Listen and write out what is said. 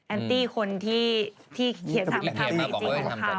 แอนตี้คนที่เขียนทำทางไอจีของเขา